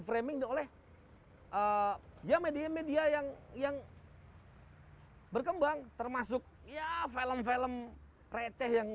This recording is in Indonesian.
framing oleh ya media media yang yang berkembang termasuk ya film film receh yang